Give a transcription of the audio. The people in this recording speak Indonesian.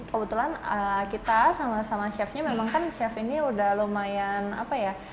kebetulan kita sama sama chefnya memang kan chef ini udah lumayan apa ya